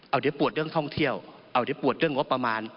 เอาเดี๋ยวปวดเรื่องท่องเที่ยวเอาเดี๋ยวปวดเรื่องงบประมาณ